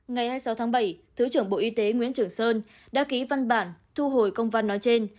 ngày hai mươi sáu tháng bảy thứ trưởng bộ y tế nguyễn trường sơn đã ký văn bản thu hồi công văn nói trên